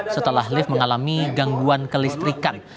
setelah lift mengalami gangguan kelistrikan